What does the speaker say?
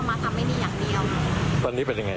มาทำให้หนี้อย่างเดียวตอนนี้ไปได้อย่างไร